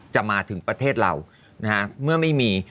จะมาถึงประเทศเรานะฮะเมื่อไม่มี